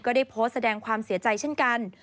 ได้โพสต์แสดงความเสียใจเช่นกัน